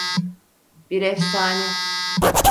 Bir efsane.